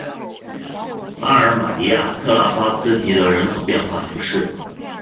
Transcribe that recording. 阿尔马尼亚克拉巴斯提德人口变化图示